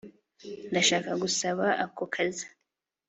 Ndashaka gusaba ako kazi